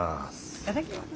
いただきます。